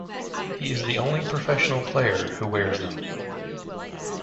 He is the only professional player who wears them.